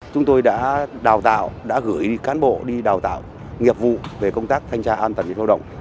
chúng tôi đã đào tạo đã gửi cán bộ đi đào tạo nghiệp vụ về công tác thanh tra an toàn lao động